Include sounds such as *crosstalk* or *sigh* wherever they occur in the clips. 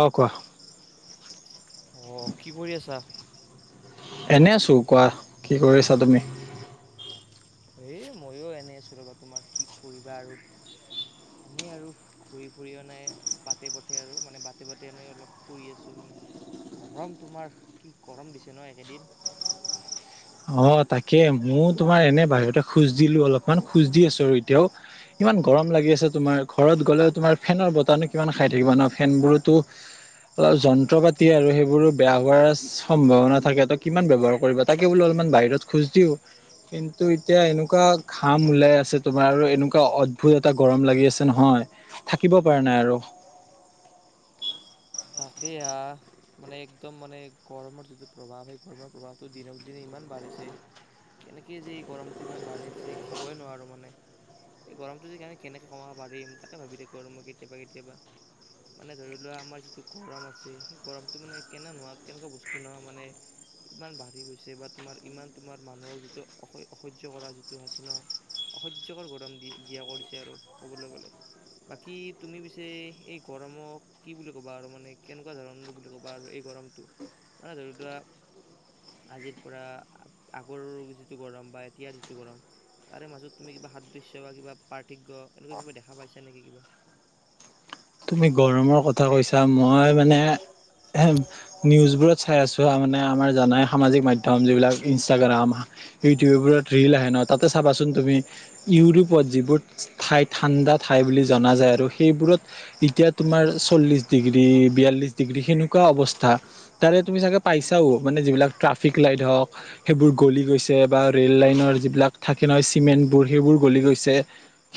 অ' কোৱা। অ' কি কৰি আছা? এনেই আছোঁ, কোৱা কি কৰি আছা তুমি? এ মইয়ো এনে আছোঁ ৰবা, তোমাৰ কি কৰিবা আৰু এনেই আৰু ঘুৰি ফুৰি অনোই বাটে পথে আৰু মানে বাটে বাটে এনে অলপ ফুৰি আছো মানে। গৰম, তোমাৰ কি গৰম দিছে ন একেদিন। অ' তাকে মইয়ো তোমাৰ এনে বাহিৰতে খোজ দিলো, অলপমান খোজ দি আছো আৰু এতিয়াও। কিমান গৰম লাগি আছে, তোমাৰ ঘৰত গ'লে তোমাৰ ফেনৰ বতানো কিমান খাই থাকিবা ন ফেনবোৰতো অলপ যন্ত্ৰ পাতি আৰু সেইবোৰো বেয়া হোৱাৰ সম্ভাৱনা থাকে ত কিমান ব্যৱহাৰ কৰিব তাকে বো অলপ ইমান বাহিৰত খোজ দিও। কিন্তু এতিয়া এনেকুৱা ঘাম ওলাই আছে তোমাৰ আৰু এনেকুৱা অদ্ভুত এটা গৰম লাগি আছে নহয়। থাকিব পৰা নাই আৰু। তাকে আহ। মানে একদম মানে গৰমৰ যিটো প্ৰভাৱ সেই গৰমৰ প্ৰভাৱটো দিনক দিনে ইমান বাঢ়িছে। কেনেকৈ যে এই গৰমটো ইমান বাঢ়িছে ক'বই নোৱাৰোঁ মানে। গৰমটো যদি কাৰণ কেনেকৈ কমাব পাৰিম তাকে ভাবি থাকোঁ আৰু মই কেতিয়াবা কেতিয়াবা। মানে ধৰি লোৱা আমাৰ যিটো গৰম আছে সেই গৰমটো মানে কেনে নোহোৱা কেনেকুৱা বস্তু নোহোৱা মানে ইমান বাঢ়ি গৈছে বা তোমাৰ ইমান তোমাৰ মানুহক যিটো অসহ্য কৰা যিটো আছে ন। অসহ্যকৰ গৰম দি দিয়া কৰিছে আৰু কবলৈ গলে। বাকী তুমি পিছে এই গৰমক, কি বুলি ক'বা আ মান কেনেকুৱা ধৰণৰ বুলি ক'বা আৰু এই গৰমটো, মানে ধৰি লোৱা আজিৰ পৰা আগৰ যিটো গৰম বা এতিয়াৰ যিটো গৰম তাৰে মাজত তুমি কিবা সাদৃশ্য বা কিবা পাৰ্থক্য এনেকুৱা কিবা দেখা পাইা নেকি কিবা? তুমি গৰমৰ কথা কৈছা, মই মানে নিউজ বোৰত চাই আছো, মানে আমাৰ জানাই সামাজিক মাধ্যম যিবিলাক ইনষ্টাগ্ৰাম ইউটিউবৰবোৰত ৰিল আহে ন তাতে চাবাচোন তুমি ইউৰোপত যিবোৰ ঠাই ঠাণ্ডা ঠাই বুলি জনা যায় আৰু সেইবোৰত এতিয়া তোমাৰ চল্লিশ ডিগ্ৰী বিয়াল্লিশ ডিগ্ৰী সেনেকুৱা অৱস্থা। তাৰে তুমি চাগে পাইছাও মানে যিবিলাক ট্ৰাফিক লাইট হওক সেইবোৰ গলি গৈছে বা ৰে'ল লাইনৰ যিবিলাক থাকে নহয় চিমেণ্টবোৰ সেইবোৰ গলি গৈছে।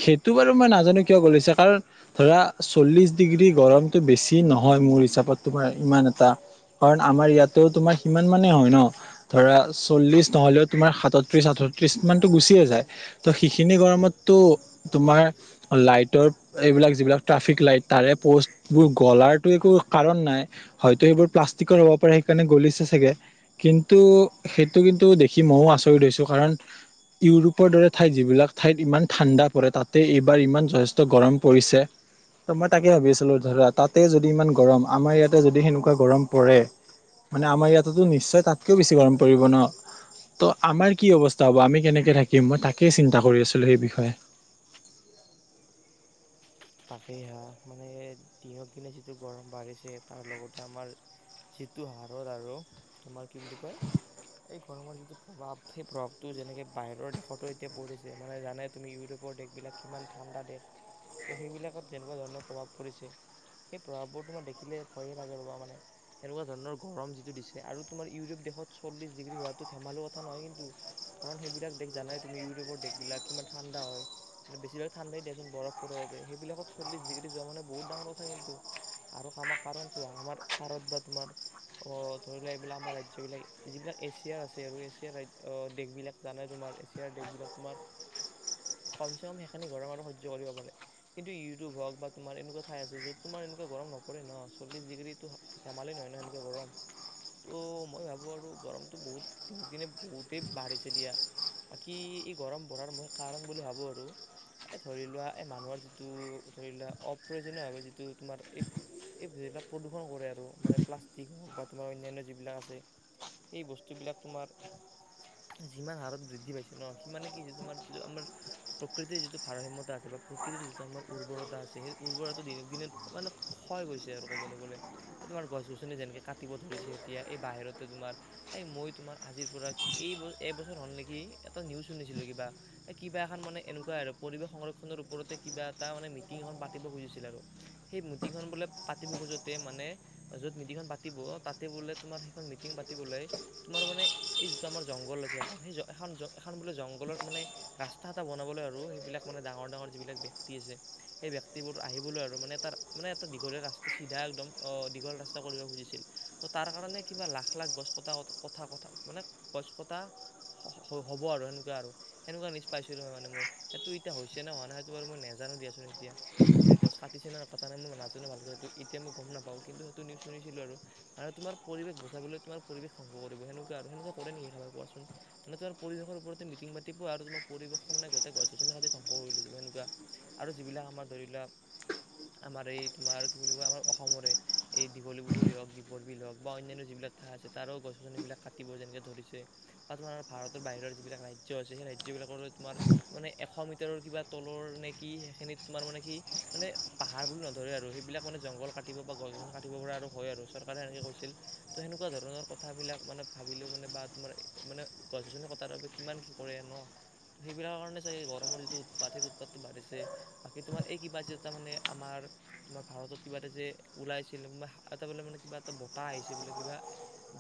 সেইটো বাৰু মই নাজানো কিয় গলছে কাৰণ ধৰা চল্লিশ ডিগ্ৰী গৰমতটো বেছি নহয় মোৰ হিচাপত তোমাৰ ইমান এটা কাৰণ আমাৰ ইয়াাতো তোমাৰ সিমান মানে হয় ন। ধৰা চল্লিশ নহলেও তোমাৰ সাতত্ৰিশ, আঠত্ৰিশ মানতো গুচিয়ে যায়। ত' সেইখিনি গৰমতো তোমাৰ লাইটৰ এইবিলাক যিবিলাক ট্ৰাফিক লাইট তাৰে প'ষ্টবোৰ গলাৰটো একো কাৰণ নাই। হয়তো সেইবোৰ প্লাষ্টিকৰ হ'ব পাৰে সেইকাৰণে গলিছে চাগে। কিন্তু সেইটো কিন্তু দেখি ময়ও আচৰিত হৈছোঁ কাৰণ ইউৰোপৰ দৰে ঠাইত যিবিলাক ঠাইত ইমান ঠাণ্ডা পৰে তাতে এইবাৰ ইমান যথেষ্ট গৰম পৰিছে। মই তাকে ভাবি আছিলো ধৰা তাতে যদি ইমান গৰম আমাৰ ইয়াতে যদি সেনেকুৱা গৰম পৰে। মানে আমাৰ ইয়াততো নিশ্চয় তাতকৈও বেছি গৰম পৰিব ন। ত' আমাৰ কি অৱস্থা হ'ব আমি কেনেকে থাকিম মই তাকেই চিন্তা কৰি আছিলোঁ সেই বিষয়ে। পাখি হা মানে দিনক দিনে যিটো গৰম বাঢ়িছে তাৰ লগতে আমাৰ যিটো হাৰত আৰু তোমাৰ কি বুলি কয় এই গৰমৰ যিটো প্ৰভাৱ সেই প্ৰভাৱটো যেনেকৈ বাহিৰৰ দেশতো এতিয়া পৰিছে মানে জানে তুমি ইউৰোপৰ দেশবিলাক কিমান ঠাণ্ডা দেশ। তো, সেইবিলাকত যেনেকুৱা ধৰণৰ প্ৰভাৱ পৰিছে। সেই প্ৰভাৱবোৰ তোমাৰ দেখিলে ভয়ে লাগে ৰ'বা মানে। সেনেকুৱা ধৰণৰ গৰম যিটো দিছে আৰু তোমাৰ ইউৰোপীয় দেশত চল্লিছ ডিগ্ৰী হোৱাটো ধেমাল কথা নহয় কিন্তু। কাৰণ সেইবিলাক দেশ জানাই তুমি ইউৰোপৰ দেশবিলাক কিমান ঠাণ্ডা হয় মানেছিভিলাক ঠাণ্ডাই দিয়াচোন বৰফ *unintelligible* সেইবিলাকত চল্লিছ ডিগ্ৰী যোৱা মানে বহুত ডাঙৰ কথা কিন্তু। আৰু আমাৰ কাৰণ চ আমাৰ ভাৰত বা তোমাৰ অ, ধৰি লোৱা এইবিলাক আমাৰ ৰাজ্যবিলাক যিবিলাক এছিয়াৰ আছে আৰু এছিয়াৰ ৰাজ দেশবিলাক জানে তোমাৰ এছিয়াৰ দেশবিলাক তোমাৰ কম চে কম সেইখিনি ঘৰ মানুহ সহ্য কৰিব পাৰে। কিন্তু ইউটিউ হক বা তোৰ এনেকুৱা ঠাই আছে য'ত তোমাৰ এনেুৱা গৰম নপৰে ন চল্লিছিগ্ৰীটো ধেমালি নহ, নহ সেনেকৈ গৰম ত, মই ভাবোঁ আৰু গৰমটো বহুত দিন দিনে বহুতেই বাঢ়িছে দিয়া। বাকী এই গৰম বঢ়াৰ মই কাৰণ বুলি ভাবোঁ আৰু এই ধৰি লোৱা এই মানুহৰ যিটো ধৰিা অপ্ৰয়োজনীয় ভাৱে যিটো তোমাৰ এই এইবিলাক প্ৰদূষণ কৰে আৰু মানে প্লাষ্টিক হওক বা তোমাৰ অন্যান্য যিবিলাক আছে। সেই বস্তুবিলাক তোমাৰ যিমান হাৰত বৃদ্ধি পাইছে ন সিমানে কি তোমাৰ য আমাৰ প্ৰকৃতিৰ যিটো ভাৰসীমতা আছে বা প্ৰকৃতিৰ যিটো আমাৰ উৰ্বৰতা আছে। সেই উৰ্বৰতাটো দিনক দিন মানে ক্ষয় গৈছে আৰু ক'বলৈ গ'লে তোমাৰ গছ-গছনি যেনেকে কাটিব ধৰিছে এতিয়া এই বাহিৰতো তোমাৰ এই মই তোমাৰ আজিৰ পৰা কেই এবছৰ হ'ল নেকি এটা নিউজ শুনিছিলো কিবা এ, কিবা এখন মানে এনেকুৱাই আৰু পৰিৱেশ সংৰক্ষণ ওপতে কিবা এটা মানে মিটি এখন পাতিব খুজিছিল আৰু সেই মিটিখন বোলে পাতিব খোজোতে মানে য'ত মিটিংখন পাতিব তাতে বোলে তোমাৰ সেইখন মিটিং পাতিবলৈ তোমাৰ মানে এই যিটো আমাৰ জংঘল আছে, এখন সেই এ, এখন বোলে জংঘলৰ মানে ৰাস্তা এটা বনাবলৈ আৰু সেইবিলাক মানে ডাঙৰ, ডাঙৰ যিবিলাক ব্যক্তি আছে সেই ব্যক্তিবোৰ আহিবলৈ আৰু মানে এটা মানে এটা দীঘলীয়া ৰাস্তা চিধা একদম দীঘল ৰাস্তা কৰিব খুজিছিল। ত, তাৰ কাৰণে কিবা লাখ, লাখ গছ কটা কথা, কথা মানে গছ কটা হ'ব আৰু সেনেকুৱা আৰু সেনেকুৱা নিজ পাইছিলো হয় মানে মই সেইটো এতিয়া হৈছে ন হোৱা নাইেইটো বাৰু মই নাজানো দিয়াচোন এতিয়া। মানে গছ কাটিছে ন কথা নাই মই নাজানো ভালকে সেইটো এতিয়া মই গম নাপাওঁ কিন্তু সেইটো নিউজ শুনিছিলো আৰু। আৰু তোমাৰ পৰিৱেশ বচাবলৈ তোমাৰ পৰিৱেশ ধ্বংস কৰিব সেনেকুৱা আৰু সেনেুৱা কৰে নেকি খাবাই কোৱাচোন। মান তোমাৰ পৰিৱেশৰ ওপৰত মিটিং পাতিব আৰু তোমাৰ পৰিবেশতে গোটে গছ-গছনি ধ্বংস কৰি লৈ যাব সেনেকুৱা আৰু যিবিলাক আমাৰ ধৰি লাক আমাৰ এই তোমাৰ কি বুলি কয় আমাৰ অসমৰে এই দীঘলী পুখুৰী হওক দীপৰ বিল হওক বা অন্যান্য যিবিলাক ঠাই আছে তাৰো গছ গছনিবিলাক কাটিব যেনেকে ধৰিছে বা তোমাৰ ভাৰতৰ বাহিৰৰ যিবিলাক ৰাজয় আছে সেই ৰাজ্য় বিলাকৰ তোমাৰ মানে এি হতেৰ কিবা তলৰ নে কি সেইখিনিত তোমাৰ মানে কি মানে পাহাৰ বুলি নধৰে আৰু সেইবিলাক মানে জংঘল কাটিব বা গছ কাটিব পৰা আৰু হয় আৰু চৰকাৰে এনেকে কৈছিল ত' সেনেকুৱা ধৰণৰ কথাবিলাক মানে ভাবিলেও মানে বা তোমাৰ মানে গছ গছনি কটাৰ বাবে কিমান কৰে ন ত সেইবিলাকৰ কাৰণে চাগে গৰমৰ উৎপেই উৎপাতটো বাঢ়িছে বাকী তোমাৰ এই কিবা যে তাৰ মানে আমাৰ তোমাৰ ভাৰতত কিবা এটা যে ওলাইছিল এটা বোলে মানে কিবা এটা বতাহ আহিছে বোলে কিবা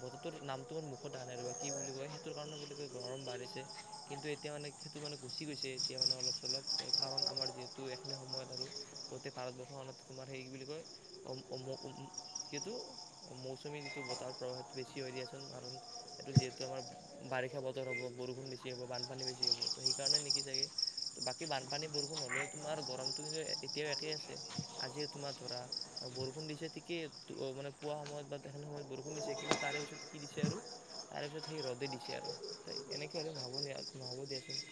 বতৰটোৰ নামটোমাৰ মুখত ানাই বা কি বুলি কয় সেইটোৰ কাৰণে বোলে কয় গৰম বাঢ়িছে কিন্তু এতিয়া মানে সেইটো মানে গুচি গৈছে তেতিয়া মানে অলপ চলপ কাৰণ আমাৰ যিহেতু এখিনি সময়ত আৰু কতে ভাৰতবৰ্ষৰখনত তোমাৰ সেই বুলি কয় অম *unintelligible* কিন্তু মৌচুমী যিটো বতাহৰ প্ৰভাৱটো বেছি হৈ দিয়াচোন কাৰণ এইটো যিহেতু আমাৰ বাৰিষা বতৰ হব বৰষুণ বেছি হ'ব বানপানী বেছি হ'ব ত সেইণেকি চাগে। বাকী বানপানী বৰষুণ হ'লেও তোমাৰ গৰমটো কিন্ত এতিয়াও একেই আছে। আজিয়ে তোমাৰ ধৰা বৰষুণ দিছে ঠিকেই টো মানে পোৱা সময়ত বা তেখি সময়ত বৰষুণ দিছে কিন্তু তাৰে পিছত কি দিছে আৰু তাৰ পিছত থাকি ৰ'দেই দিছে আৰু থেই এনেকে হলে নহব নহব দিয়াচোন।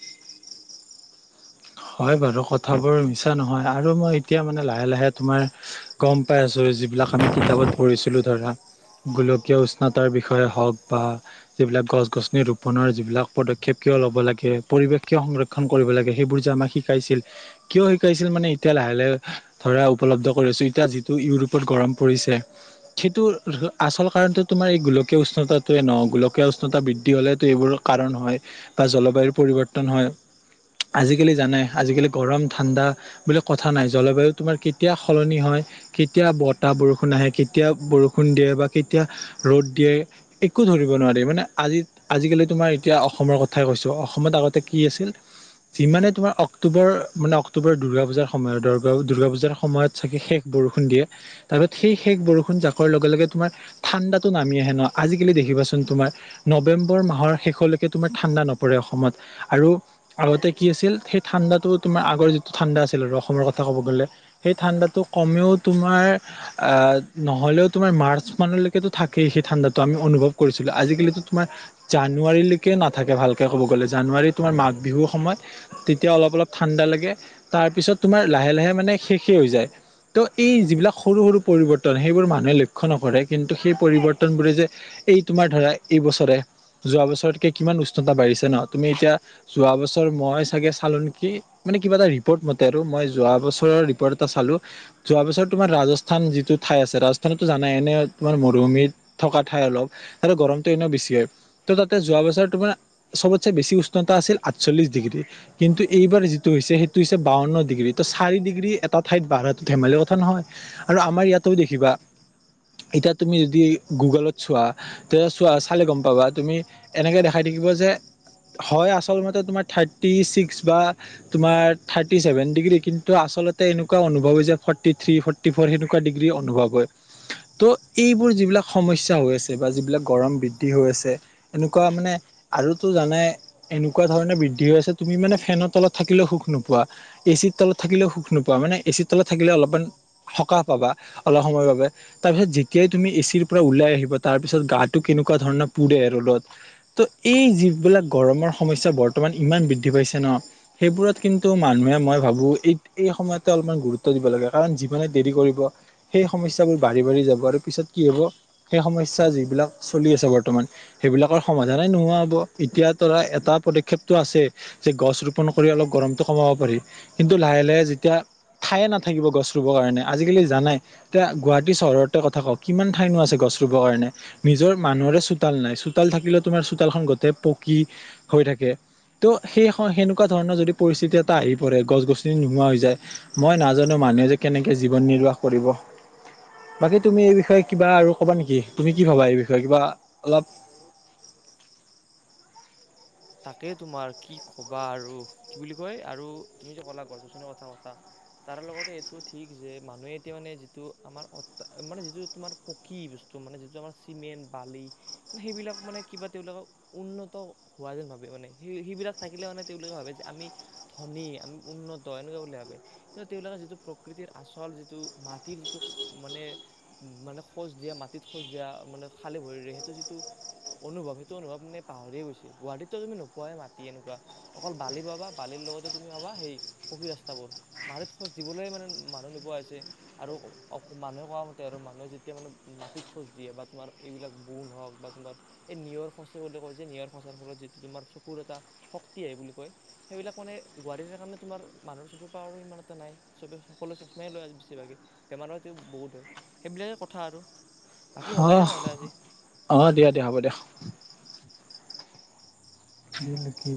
হয়, বাৰু কথাবোৰ মিছা নহয় আৰু মই এতিয়া মানে লাহে লাহে তোমাৰ গম পাই আছো যিবিলাক আমি কিতাপত পঢ়িছিলো ধৰা গোলকীয় উষ্ণতাৰ বিষয়ে হওক বা যিবিলাক গছ-গছনি ৰপ পোনৰ যিবিলাক পদক্ষেপ কিয় ল'ব লাগে পৰিৱেশ কিয় সংৰক্ষণ কৰিব লাগে সেইবোৰ যে আমাক শিকাইছিল। কিয় শিকাইছিল মানে এতিয়া লাহে লাহে ধৰা উপলব্ধ কৰি আছো এতিয়া যিটো ইউৰোপত গৰম পৰিছে, সেইটো আচল কাৰণটো তোমাৰ এই গোলকীয় উষ্ণতাৱে নহয় গোলকীয় উষ্ণতা বৃদ্ধি হলেতো এইবোৰ কাৰণ হয় আ জলবায়ুৰ পৰিৱৰ্তন হয় আজিকালি জানে আজিকালি গৰম ঠাণ্ডা বুলি কথা নাই জলবায়ু তোমাৰ কেতিয়া সলনি হয় কেতিয়া বতাহ বৰষুণ আহে কেতিয়া বৰষুণ দিয়ে বা কেতিয়া ৰ'দ দিয়ে একো ধৰিব নোৱাৰি মানে আজি আজিকালি তোমাৰ এতিয়া অসমৰ কথাই কৈছো অসমত আগতে কি আছিল যিমানে তোমাৰ অক্টোবৰ মানে অক্টোবৰ দুৰ্গা পূজাৰ সময়ত দুৰ্গা পূজাৰ সময়ত চাগে শেষ বৰষুণ দিয়ে। তাৰপিছ সেই শেষ বৰষুণ জাকৰ লগে লগে তোমাৰ ঠাণ্ডাতটো নামি আহে ন আজিকালি দেখিবাচোন তোমাৰ নৱেম্বৰ মাহৰ শেষলৈকে তোমাৰ ঠাণ্ডা নপৰে অসমত আৰু আগতে কি আছিল সেই ঠাণ্ডাটো তোমাৰ আগৰ যিটো ঠাণ্ডা আছিল আৰু অসমৰ কথা ক'ব গ'লে। সেই ঠাণ্ডাটো কমেও তোমাৰ আহ নহলেও তোমাৰ মাৰ্চ মানলৈকেতো থাকেই সেই ঠাণ্ডাটো আমি অনুভৱ কৰিছিলো আজিকালিতো তোমাৰ জানুৱাৰীলৈকে নাথাকে ভালকে ক'ব গ'লে জানুৱাৰী তোমাৰ মাঘ বিহুৰ সময়ত তেতিয়া অলপ-অলপ ঠাণ্ডা লাগে তাৰপিছত তোমাৰ লাহে লাহে মানে শেষেই হৈ যায়। ত' এই যিবিলাক সৰু সৰু পৰিৱৰ্তন সেইবোৰ মানুহে লক্ষ্য নকৰে কিন্তু সেই পৰিৱৰ্তন বোৰে যে এই তোমাৰ ধৰা এই বছৰে যোৱা বছৰতকে কিমান উষ্ণতা বাঢ়িছে ন তুমি এতিয়া যোৱা বছৰ মই চাগে চালোঁ নেকি মানে কিবা এটা ৰিপৰ্ট মতে আৰু মই যোৱা বছৰৰ ৰিপৰ্ট এটা চালোঁ যোৱাৰ পিছত তোমাৰ ৰাজস্থ *unintelligible* যিটো ঠাই আছে ৰাজস্থানতো জানাই এনে তোমাৰ মৰুভূমিত থকা ঠাই অলপ আৰু গৰমতটো এনেও বেছি হয়। ত' তাতে যোৱা বছৰ তো মানে চবতচে বেছি উষ্ণতা আছিল আঠচল্লিশ ডিগ্ৰী। কিন্তু এইবাৰ যিটো হৈছে সেইটো হৈছে বাৱন্ন ডিগ্ৰী তো চাৰি ডিগ্ৰী এটা ঠাইত বাঢ়াটো ধেমালি কথা নহয়। আৰু আমাৰ ইয়াতও দেখিবা এতিয়া তুমি যদি গুগলত চোৱা তে চ চালে গম পাবা তুমি এনেকে দেখাই থাকিবা যে হয়, আচল মতে তোমাৰ থাৰ্টি ছিক্স বা তোমাৰ থাৰ্টি ছেভেন ডিগ্ৰী, কিন্তু আচলতে এনেকুৱা অনুভৱ হৈছে forty three forty for সেনেকুৱা ডিগ্ৰী অনুভৱ হয়। ত' এইবোৰ যিবিলাক সমস্যা হৈ আছে বা যিবিলাক গৰম বৃদ্ধি হৈ আছে এনেকুৱা মানে আৰুতো জানা এ এনেকুৱা ধৰণে বৃদ্ধি হৈ আছে তুমি মানে ফেনৰ তলত থাকিলেও সুখ নোপোৱা, এ চিৰ তলত থাকিলেও সুখ নোপোৱা, মানে এ চিৰ তলত থাকিলে অলপমান সকাহ পাবা, অলপ সময়ৰ বাবে। তাৰপিছত যেতিয়াই তুমি এ চিৰ পৰা ওলাই আহিবা, তাৰ পিছত গাটো কেনেকুৱা ধৰণৰ পুৰে ৰ'দত। ত' এই যিবিলাক গৰমৰ সমস্যা বৰ্তমান ইমান বৃদ্ধি পাইছে ন সেইবোৰত কিন্তু মানুহে, মই ভাবো এইখিনি সময়তে অলপমান গুৰুত্ব দিব লাগে। কাৰণ, যিমানে দেৰি কৰিব সেই সমস্যাবোৰ বাঢ়ি বাঢ়ি যাব আৰু পিছত কি হ'ব - সেই সমস্যা, যিবিলাক চলি আছে বৰ্তমান সেইবিলাকৰ সমাধানেই নোহোৱা হ'ব। এতিয়াটো ধৰা এটা পদক্ষেপটো আছেই যে গছ ৰোপন কৰি অলপ গৰমটো কমাব পাৰি। কিন্তু, লাহে লাহে যেতিয়া ঠায়ে নাথাকিব গছ ৰুবৰ কাৰণে। আজিকালি জানাই তিয়া গুৱাহাটী চহৰতে কথা কওঁ - কিমান ঠাইনো আছে গছ ৰুবৰ কাৰণে? নিজৰ মানুহৰে চোতাল নাই। চোতাল থাকিলেও তোমাৰ চোতালখন গোটেই পকী হৈ থাকে। ত' সেই স সেনেকুৱা ধৰণৰ যদি পৰিস্থিতি এটা আহি পৰে, গছ গছনি নোহোৱা হৈ যায়, মই নাজানো মানুহে যে কেনেকে জীৱন নিৰ্বাহ কৰিব! বাকী, তুমি এই বিষয়ে কিবা তাক আৰু ক'বা নেকি? তুমি কি ভাবা এই বিষয়ে, কিবা অলপ তাকে তোমাৰ কি ক'বা আৰু, কি বুলি কয় - আৰু তুমি যে ক'লা গছ গছনিৰ কটা কথা তাৰ লগতে এইটোও ঠিক যে, মানুহে এতিয়া মানে যিটো আমাৰ অ মানে যিটো তোমাৰ পকী বস্তু, মানে যিটো আমাৰ চিমেণ্ট বালি সেইবিলাক মানে কিবা তেওঁলোকক উন্নত হোৱা যেন ভাবে মানে, সেই সেইবিলাক থাকিলে মানে তেওঁলোকে ভাবে যে আমি ধনী? আমি উন্নত, এনেকুৱা বুলি ভাবে। কিন্তু তেওঁলাকৰ যিটো প্ৰকৃতিৰ আচল যিটো, মাটিৰ যিটো মানে মানে খোজ দিয়া, মাটিত খোজ দিয়া মানে খালি ভৰিৰে সেইটো যিটো অনুভৱ, সেইটো অনুভৱ মানে পাহৰিয়ে গৈছে। গুৱাহাটীতটো তুমি নোপোৱাই মাটি এনেকুৱা অকল বালি পাবা, বালিৰ লগতে তুমি পাবা সেই, পকী ৰাস্তাবোৰ। মাটিত খোচ দিবলৈ মানে মানুহ নোপোৱা হৈছে। আৰু অ মানুহে কোৱা মতে আৰু, মানুহে যেতিয়া মানে মাটিত খোজ দিয়ে, বা তোমাৰ এইবিলাক বোন হওক, বা তোমাৰ এই নিয়ৰ খচে বুলি কয় যে, নিয়ৰ খচাৰ ফলত যিটো তোমাৰ চকুৰ এটা শক্তি আহে বুলি কয় সেইবিলাক মানে, *unintelligible* কাৰণে তোমাৰ মানুহৰ চকুৰ পাৱাৰো ইমান এটা নাই। চবে সকলোৱে চচমাই লৈ আ বেছিভাগে, বেমাৰো আজিকালি বহুত হয়। সেইবিলাকে কথা আৰু বাকী হ'ব অ, দিয়া নহ'লে আজি অ দিয়া দিয়া, হ'ব দিয়া। *unintelligible*